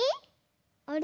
あれ？